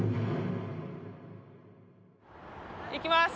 いきます。